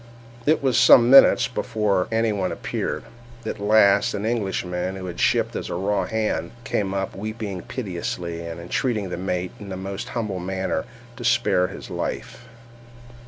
It was some minutes before any one appeared:—at last an Englishman, who had shipped as a raw hand, came up, weeping piteously, and entreating the mate, in the most humble manner, to spare his life.